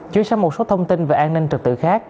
chuyển sang một số thông tin về an ninh trật tự khác